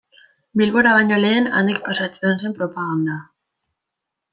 Bilbora baino lehen, handik pasatzen zen propaganda.